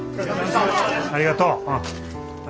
ありがとう。